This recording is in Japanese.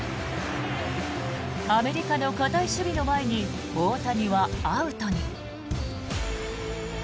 アメリカの堅い守備の前に大谷はアウトに。